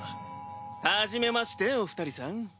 はじめましてお二人さん。